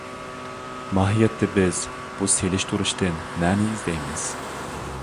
ماھىيەتتە بىز بۇ سېلىشتۇرۇشتىن مەنە ئىزدەيمىز.